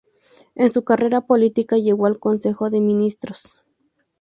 En su carrera política llegó al Consejo de Ministros.